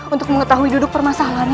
untuk mengetahui duduk permasalahan ini